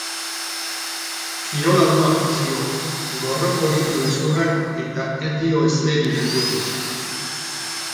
Kirola du afizio, gorroto ditu gezurrak eta ez dio ezeri beldurrik.